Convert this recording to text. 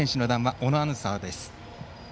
小野アナウンサーです。